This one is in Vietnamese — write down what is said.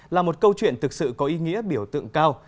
là một câu chuyện thực sự có ý nghĩa biểu tượng cao